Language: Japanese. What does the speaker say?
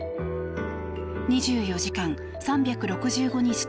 ２４時間３６５日